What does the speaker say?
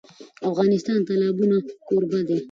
افغانستان د تالابونه کوربه دی.